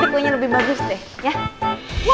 nanti kuenya lebih bagus deh ya